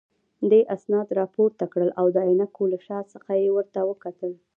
دې اسناد راپورته کړل او د عینکو له شا څخه یې ورته وکتل.